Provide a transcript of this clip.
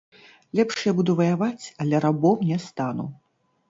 Лепш я буду ваяваць, але рабом не стану.